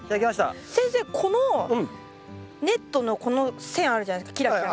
先生このネットのこの線あるじゃないですかキラキラした。